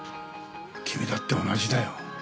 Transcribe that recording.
君だって同じだよ。